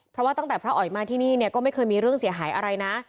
เพราะว่าตั้งแต่พระอ๋อยมาที่นี่เนี่ยก็ไม่เคยมีเรื่องเสียหายอะไรนะ